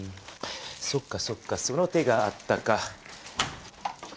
そっかそっかその手があったか。